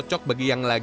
bukit negeri bandung